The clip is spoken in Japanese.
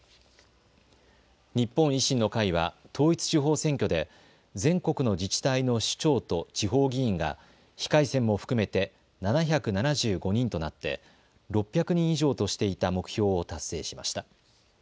日本維新の会は統一地方選挙で全国の自治体の首長と地方議員が非改選も含めて７７５人となって６００人以上としていた目標を達成しました。